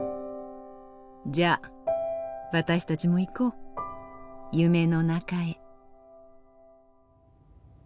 じゃあ私たちも行こう夢の中へ。